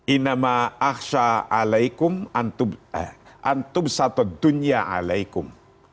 inama ahsha alaikum antum satu dunya alaikum